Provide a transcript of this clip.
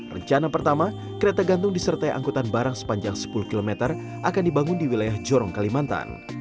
rencana pertama kereta gantung disertai angkutan barang sepanjang sepuluh km akan dibangun di wilayah jorong kalimantan